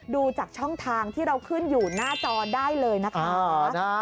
ดูจากช่องทางที่เราขึ้นอยู่หน้าจอได้เลยนะคะ